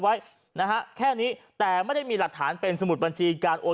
ไว้นะฮะแค่นี้แต่ไม่ได้มีหลักฐานเป็นสมุดบัญชีการโอน